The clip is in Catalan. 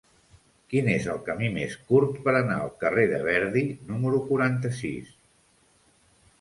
Quin és el camí més curt per anar al carrer de Verdi número quaranta-sis?